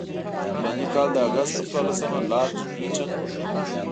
د فلاني کال د اګست پر څوارلسمه لارډ لیټن.